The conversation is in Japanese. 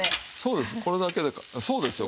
そうですよ。